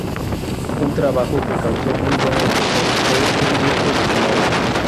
Un trabajo que causó muy buena impresión fue un busto de su madre.